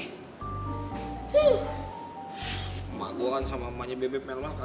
emak gue kan sama mamanya bebe pelma kagak aku